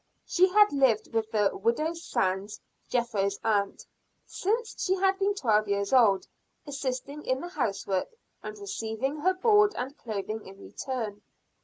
She had lived with the Widow Sands, Jethro's aunt, since she had been twelve years old, assisting in the housework, and receiving her board and clothing in return.